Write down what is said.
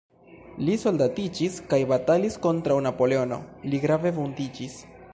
Li soldatiĝis kaj batalis kontraŭ Napoleono, li grave vundiĝis.